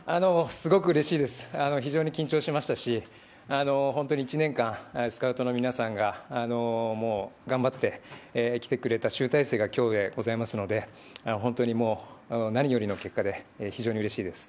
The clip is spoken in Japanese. すごくうれしいです、すごく緊張しましたし、本当に１年間、スカウトの皆さんが頑張ってきてくれた集大成が今日でございますので、本当に何よりの結果で非常にうれしいです。